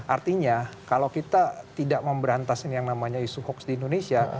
artinya kalau kita tidak memberantas yang namanya isu hoax di indonesia